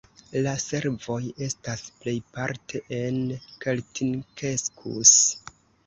La servoj estas plejparte en Keltinkeskus.